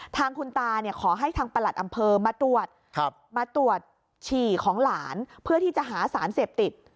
ทางคุณตาเนี่ยขอให้ทางประหลัดอำเภอมาตรวจมาตรวจฉี่ของหลานเพื่อที่จะหาสารเสพติด